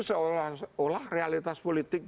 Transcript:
seolah seolah realitas politik